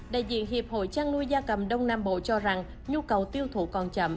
đại diện hiệp hội chăn nuôi gia cầm đông nam bộ cho rằng nhu cầu tiêu thụ còn chậm